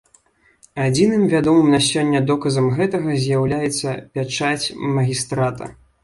Адзіным вядомым на сёння доказам гэтага з'яўляецца пячаць магістрата.